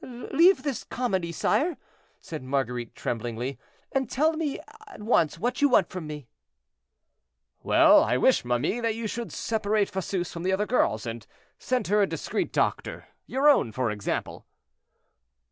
"Leave this comedy, sire," said Marguerite, tremblingly, "and tell me at once what you want from me." "Well, I wish, ma mie, that you should separate Fosseuse from the other girls, and send her a discreet doctor; your own, for example."